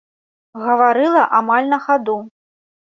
Гаварыла амаль на хаду.